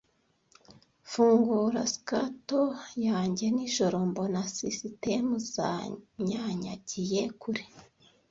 Mfungura scuttle yanjye nijoro mbona sisitemu zanyanyagiye kure,